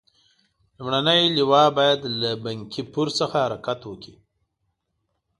لومړنۍ لواء باید له بنکي پور څخه حرکت وکړي.